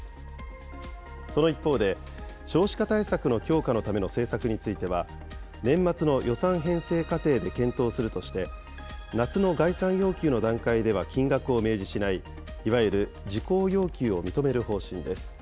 その一方で、少子化対策の強化のための政策については、年末の予算編成過程で検討するとして、夏の概算要求の段階では金額を明示しない、いわゆる事項要求を認める方針です。